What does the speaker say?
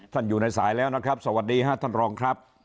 อยู่ในสายแล้วนะครับสวัสดีครับท่านรองครับ